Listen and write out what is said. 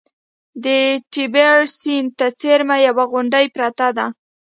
د تیبر سیند ته څېرمه یوه غونډۍ پرته ده